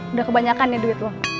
udah kebanyakan ya duit lo